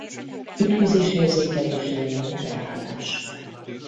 Ütközés érzékelésénél leállás.